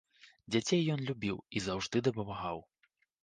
Дзяцей ён любіў і заўжды дапамагаў.